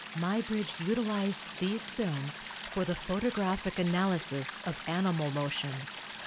Muybridge utilized these films for the photographic analysis of animal motion.